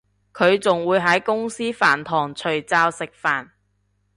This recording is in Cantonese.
佢仲會喺公司飯堂除罩食飯